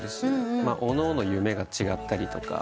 おのおの夢が違ったりとか。